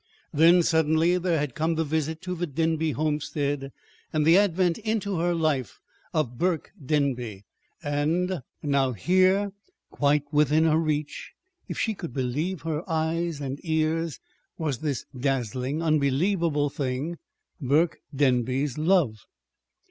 Then, suddenly, there had come the visit to the Denby homestead, and the advent into her life of Burke Denby; and now here, quite within her reach, if she could believe her eyes and ears, was this dazzling, unbelievable thing Burke Denby's love.